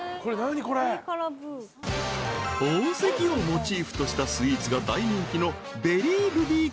［宝石をモチーフとしたスイーツが大人気の］